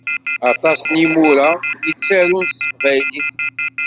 Aṭas n yimura i yettarun s teqbaylit.